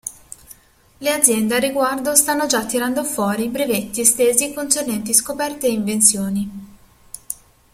Le aziende al riguardo stanno già tirando fuori brevetti estesi concernenti scoperte e invenzioni.